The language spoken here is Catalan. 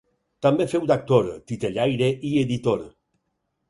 També feu d'actor, titellaire i editor.